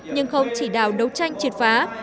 nhưng không chỉ đào đấu tranh triệt phá